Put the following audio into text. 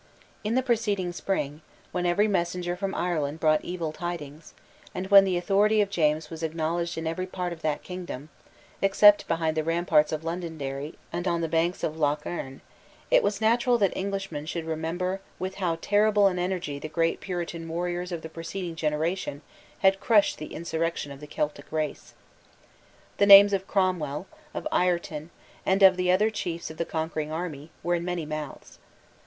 In the preceding spring, when every messenger from Ireland brought evil tidings, and when the authority of James was acknowledged in every part of that kingdom, except behind the ramparts of Londonderry and on the banks of Lough Erne, it was natural that Englishmen should remember with how terrible an energy the great Puritan warriors of the preceding generation had crushed the insurrection of the Celtic race. The names of Cromwell, of Ireton, and of the other chiefs of the conquering army, were in many mouths.